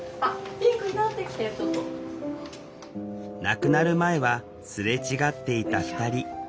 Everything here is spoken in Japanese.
亡くなる前はすれ違っていた２人。